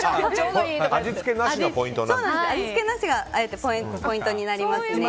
味付けなしがポイントになりますね。